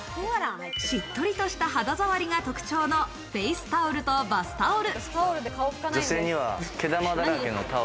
しっとりとした肌触りが特徴のフェイスタオルとバスタオル。